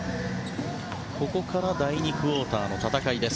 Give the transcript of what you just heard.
ここから第２クオーターの戦いです。